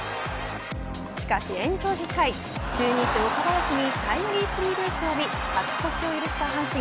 しかし、延長１０回中日、岡林にタイムリースリーベースを浴び勝ち越しを許した阪神。